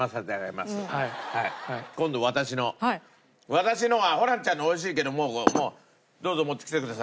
私のはホランちゃんのおいしいけどもうどうぞ持ってきてください。